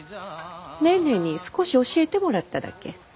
ネーネーに少し教えてもらっただけ。